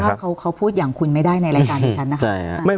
อย่าลืมว่าเขาพูดอย่างคุณไม่ได้ในรายการของฉันนะครับ